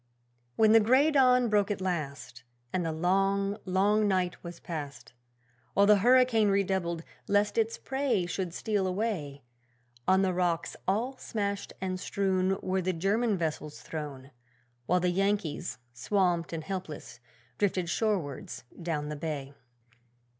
When the grey dawn broke at last, And the long, long night was past, While the hurricane redoubled, lest its prey should steal away, On the rocks, all smashed and strewn, Were the German vessels thrown, While the Yankees, swamped and helpless, drifted shorewards down the bay.